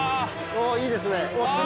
おぉいいですね